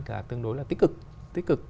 cả tương đối là tích cực